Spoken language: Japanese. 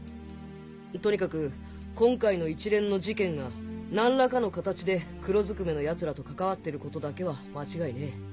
とにかく今回の一連の事件が何らかの形で黒ずくめのヤツらと関わってることだけは間違いねえ。